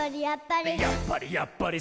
「やっぱり！